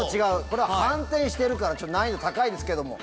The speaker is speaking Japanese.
これは反転してるから難易度高いですけども。